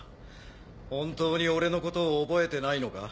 本当に俺のことを覚えてないのか？